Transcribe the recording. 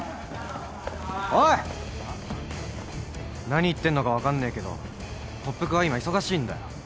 何言ってんのか分かんねえけど特服は今忙しいんだよ。